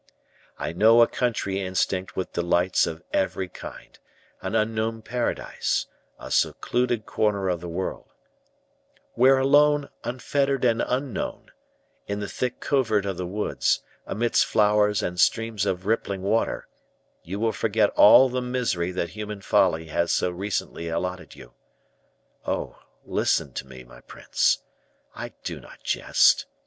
I know a country instinct with delights of every kind, an unknown paradise, a secluded corner of the world where alone, unfettered and unknown, in the thick covert of the woods, amidst flowers, and streams of rippling water, you will forget all the misery that human folly has so recently allotted you. Oh! listen to me, my prince. I do not jest.